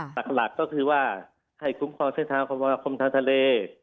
อันดับหลักก็คือว่าให้คุ้มความเส้นทางความความความความทางทะเล